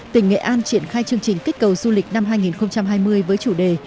tỉnh nghệ an triển khai chương trình kích cầu du lịch năm hai nghìn hai mươi với chủ đề